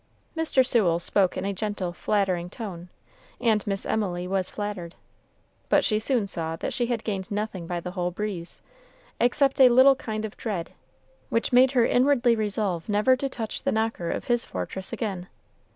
Mr. Sewell spoke in a gentle, flattering tone, and Miss Emily was flattered; but she soon saw that she had gained nothing by the whole breeze, except a little kind of dread, which made her inwardly resolve never to touch the knocker of his fortress again.